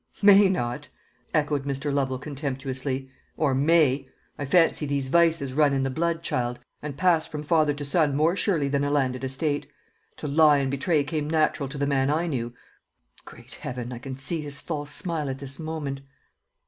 "May not!" echoed Mr. Lovel contemptuously; "or may. I fancy these vices run in the blood, child, and pass from father to son more surely than a landed estate. To lie and betray came natural to the man I knew. Great Heaven! I can see his false smile at this moment."